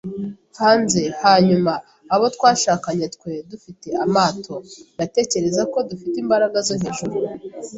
hanze. Hanyuma, abo twashakanye, twe dufite amato, ndatekereza ko dufite imbaraga zo hejuru. ”